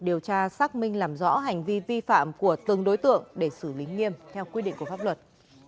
điều tra xác minh làm rõ hành vi vi phạm của từng đối tượng để xử lý nghiêm theo quy định của pháp luật